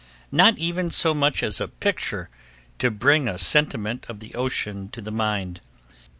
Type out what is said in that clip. Not even so much as a picture to bring a sentiment of the ocean to the mind.